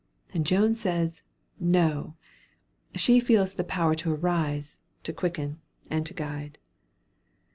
And Joan says, No! She feels the power to arouse, to quicken, and to guide.